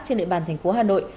trên địa bàn thành phố hà nội